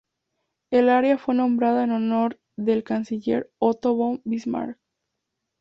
El área fue nombrada en honor del Canciller Otto von Bismarck.